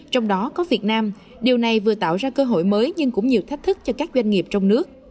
trong đó có việt nam điều này vừa tạo ra cơ hội mới nhưng cũng nhiều thách thức cho các doanh nghiệp trong nước